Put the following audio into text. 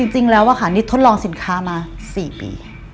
จริงแล้วค่ะนี่ทดลองสินค้ามา๔ปี